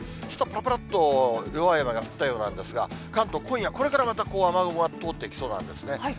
ちょっとぱらぱらっと弱い雨が降ったようなんですが、関東、今夜これからまた、雨雲が通っていきそうなんですね。